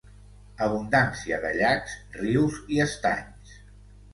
Abundància de llacs, rius i estanys.